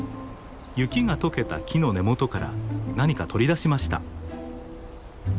雪が解けた木の根元から何か取り出しました。